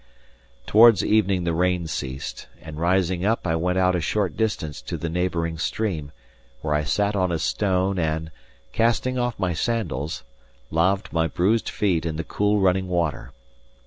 Towards evening the rain ceased; and rising up I went out a short distance to the neighbouring stream, where I sat on a stone and, casting off my sandals, laved my bruised feet in the cool running water.